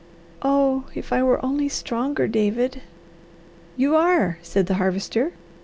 "Oh if I were only stronger, David!" "You are!" said the Harvester.